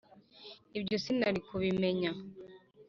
ibyo sinari kubimenya